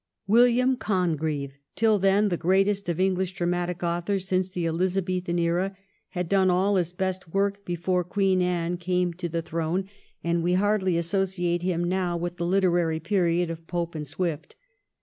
William Congreve, till then the greatest of Eng lish dramatic authors since the Elizabethan era, had done all his best work before Queen Anne came to 1702 14 THE LITEEABY CONSTELLATION. 309 the throne, and we hardly associate him now with the literary period of Pope and Swift.